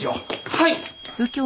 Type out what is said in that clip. はい！